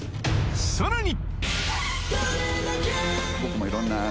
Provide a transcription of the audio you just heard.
さらに！